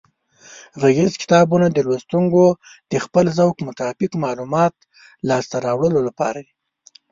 غږیز کتابونه د لوستونکو د خپل ذوق مطابق معلوماتو لاسته راوړلو لپاره